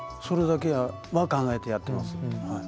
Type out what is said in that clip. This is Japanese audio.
それだけは考えてやってます。